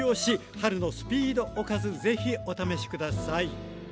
春のスピードおかず是非お試し下さい。